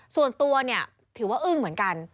ส่วนตัวเนี่ยถือว่าอึ้งเหมือนกัน